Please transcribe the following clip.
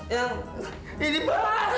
yang ini bah